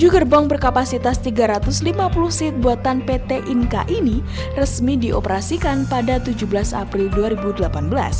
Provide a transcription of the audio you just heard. tujuh gerbong berkapasitas tiga ratus lima puluh seat buatan pt inka ini resmi dioperasikan pada tujuh belas april dua ribu delapan belas